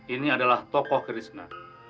ini adalah tokoh krishna